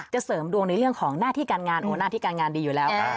เสริมดวงในเรื่องของหน้าที่การงานหน้าที่การงานดีอยู่แล้ว